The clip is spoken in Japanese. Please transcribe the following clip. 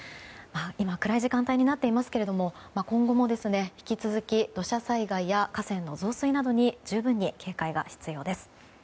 今、暗い時間帯になっていますが今後も引き続き土砂災害や河川の増水などに十分に警戒が必要です。